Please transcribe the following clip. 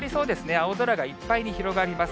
青空がいっぱいに広がります。